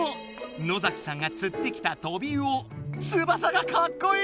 野崎さんがつってきたトビウオつばさがかっこいい！